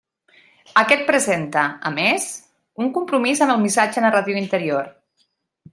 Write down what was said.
Aquest presenta, a més, un compromís amb el missatge narratiu interior.